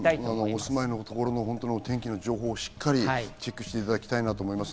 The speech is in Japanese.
お住まいのところの天気をしっかりとチェックしていただきたいと思います。